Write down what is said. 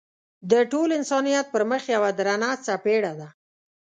د ټول انسانیت پر مخ یوه درنه څپېړه ده.